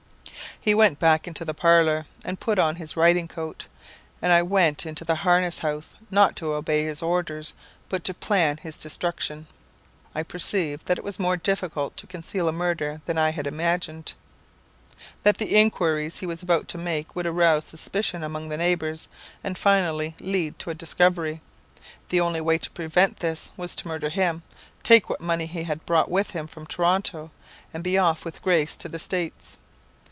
"He went back into the parlour, and put on his riding coat; and I went into the harness house, not to obey his orders, but to plan his destruction. "I perceived that it was more difficult to conceal a murder than I had imagined; that the inquiries he was about to make would arouse suspicion among the neighbours, and finally lead to a discovery. The only way to prevent this was to murder him, take what money he had brought with him from Toronto, and be off with Grace to the States.